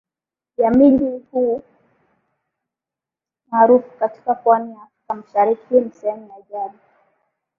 ya miji huu maarufu katika pwani ya Afrika Mashariki Hii ni sehemu ya ajabu